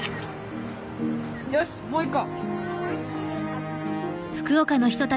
よしもう一個。